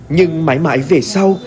nhưng mãi mãi về sau